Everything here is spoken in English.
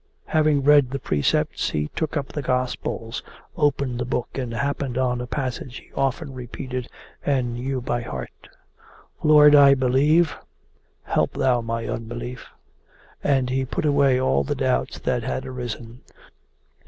Having read the precepts he took up the Gospels, opened the book, and happened on a passage he often repeated and knew by heart: 'Lord, I believe. Help thou my unbelief!' and he put away all the doubts that had arisen.